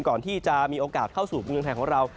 ก่อนที่จะมีโอกาสเข้าสู่เมืองไทยของเรา